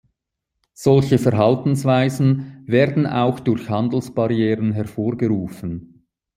Solche Verhaltensweisen werden auch durch Handelsbarrieren hervorgerufen.